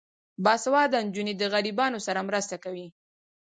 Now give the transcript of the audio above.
باسواده نجونې د غریبانو سره مرسته کوي.